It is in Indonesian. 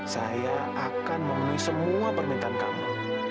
saya akan memenuhi semua permintaan kamu